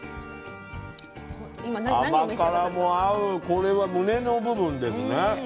これはむねの部分ですね。